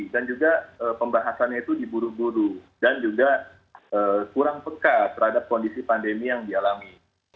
dan juga pembahasannya itu di buruh buru dan juga kurang peka terhadap kondisi pandemi yang dialami